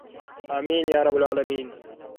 امین یا رب العالمین.